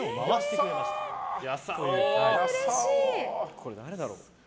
これ誰だろう。